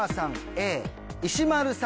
Ａ石丸さん